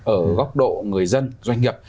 ở góc độ người dân doanh nghiệp